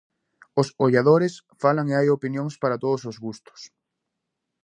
Os "olladores" falan e hai opinións para todos os gustos.